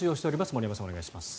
森山さん、お願いします。